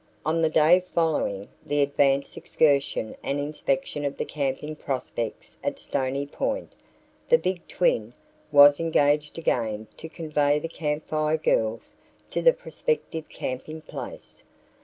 On the day following the advance excursion and inspection of the camping prospects at Stony Point, the "Big Twin" was engaged again to convey the Camp Fire Girls to the prospective camping place.